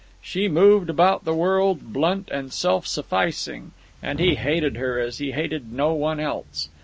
She moved about the world, blunt and self sufficing, and he hated her as he hated no one else.